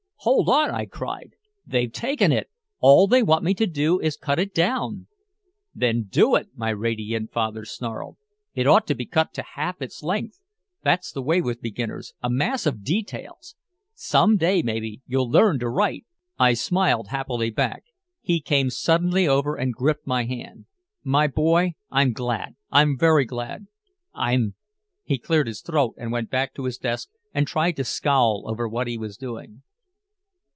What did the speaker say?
"Hold on!" I cried. "They've taken it! All they want me to do is to cut it down!" "Then do it!" My radiant father snarled. "It ought to be cut to half its length! That's the way with beginners, a mass of details! Some day maybe you'll learn to write!" I smiled happily back. He came suddenly over and gripped my hand. "My boy, I'm glad, I'm very glad! I'm" he cleared his throat and went back to his desk and tried to scowl over what he was doing.